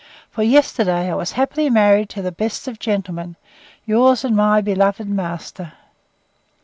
For yesterday I was happily married to the best of gentlemen, yours and my beloved master.